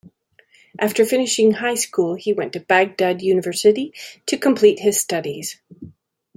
After finishing high school he went to Baghdad University to complete his studies.